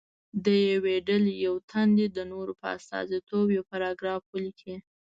د یوې ډلې یو تن دې د نورو په استازیتوب یو پاراګراف ولیکي.